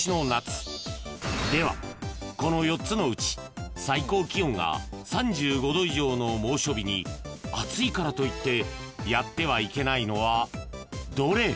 ［ではこの４つのうち最高気温が３５度以上の猛暑日に暑いからといってやってはいけないのはどれ？］